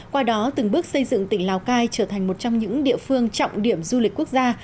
qua đó từng bước xây dựng tỉnh lào cai trở thành một trong những địa phương trọng điểm du lịch quốc gia